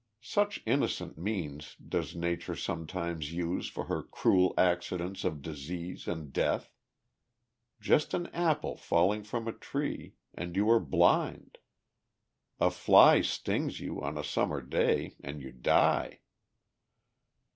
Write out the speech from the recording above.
Such innocent means does Nature sometimes use for her cruel accidents of disease and death! Just an apple falling from a tree, and you are blind! A fly stings you, on a Summer day, and you die.